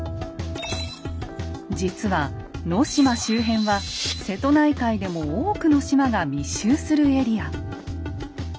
実は能島周辺は瀬戸内海でも多くの島が密集するエリア。